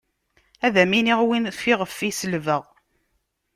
Ad m-iniɣ win fiɣef i selbeɣ.